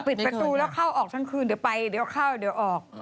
ปิดประตูแล้วเข้าออกทั้งคืนเดี๋ยวไปเดี๋ยวเข้าเดี๋ยวออก